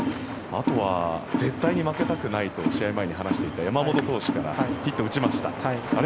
あとは絶対に負けたくないと試合前に話していた山本投手からヒットを打ちました。